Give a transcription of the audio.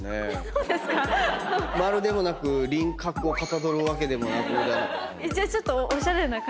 そうですか⁉丸でもなく輪郭をかたどるわけでもなく。